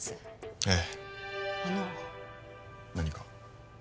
ええあの何か？